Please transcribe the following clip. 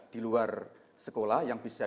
di luar sekolah yang bisa